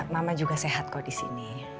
mama juga sehat kok disini